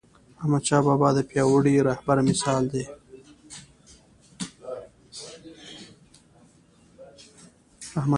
احمدشاه بابا د پیاوړي رهبر مثال دی..